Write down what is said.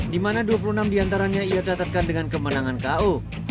di mana dua puluh enam diantaranya ia catatkan dengan kemenangan ko